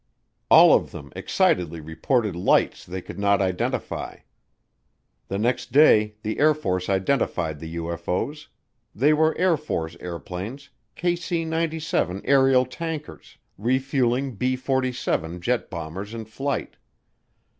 All of them excitedly reported lights they could not identify. The next day the Air Force identified the UFO's; they were Air Force airplanes, KC 97 aerial tankers, refueling B 47 jet bombers in flight.